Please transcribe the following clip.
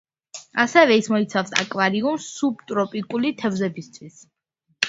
ასევე ის მოიცავს აკვარიუმს სუბტროპიკული თევზებისთვის.